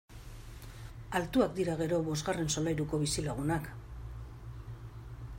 Altuak dira gero bosgarren solairuko bizilagunak!